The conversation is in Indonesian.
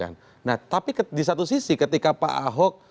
nah tapi di satu sisi ketika pak ahok